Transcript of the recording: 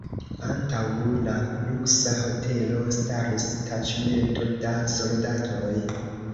Antaŭ la luksa hotelo staris taĉmento da soldatoj.